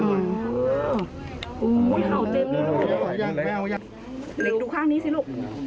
โอ้โฮ